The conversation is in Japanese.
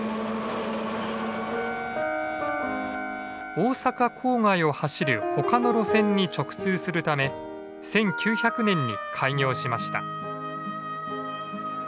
大阪郊外を走る他の路線に直通するため１９００年に開業しました。